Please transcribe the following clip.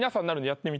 やってみ。